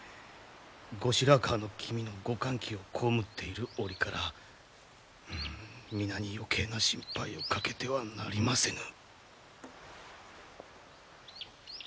後白河の君のご勘気を被っている折から皆に余計な心配をかけてはなりませぬ。